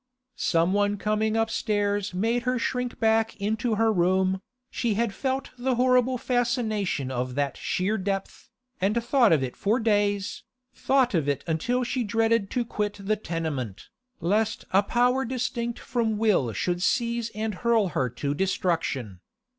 Some one coming upstairs made her shrink back into her room, She had felt the horrible fascination of that sheer depth, and thought of it for days, thought of it until she dreaded to quit the tenement, lest a power distinct from will should seize and hurl her to destruction.